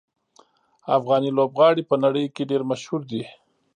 افغاني لوبغاړي په نړۍ کې ډېر مشهور دي.